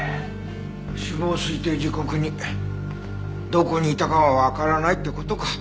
死亡推定時刻にどこにいたかはわからないって事か。